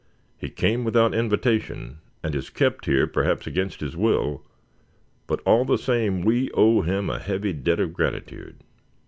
He came without invitation, and is kept here perhaps against his will; but all the same we owe him a heavy debt of gratitude."